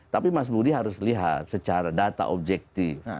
tapi mas budi harus lihat secara data objektif